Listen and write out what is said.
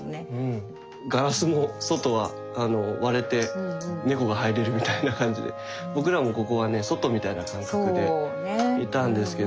ガラスも外は割れて猫が入れるみたいな感じで僕らもここはね外みたいな感覚でいたんですけど。